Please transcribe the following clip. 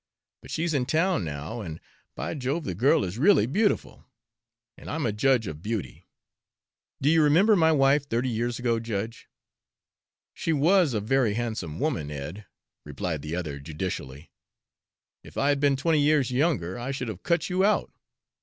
But she's in town now, and, by Jove, the girl is really beautiful. And I'm a judge of beauty. Do you remember my wife thirty years ago, judge?" "She was a very handsome woman, Ed," replied the other judicially. "If I had been twenty years younger, I should have cut you out."